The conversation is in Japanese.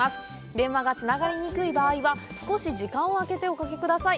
電話がつながりにくい場合は少し時間を空けておかけください。